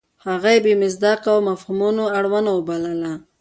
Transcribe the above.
هغه یې بې مصداقه او مفهومونو اړونه وبلله.